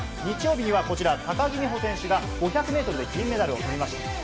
日曜日には高木美帆選手が５００ｍで銀メダルをとりました。